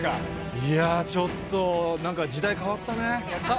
いやー、ちょっと、なんか時代変わったね。